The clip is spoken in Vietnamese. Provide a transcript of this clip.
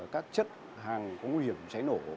các chất hàng có nguy hiểm cháy nổ